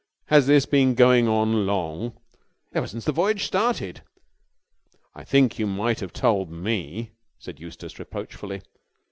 "Has this been going on long?" "Ever since the voyage started." "I think you might have told me," said Eustace reproachfully.